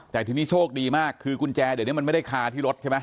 แต่ทีนี้โชคดีมากคือกุญแจเดี๋ยวนี้มันไม่ได้คาที่รถใช่ไหม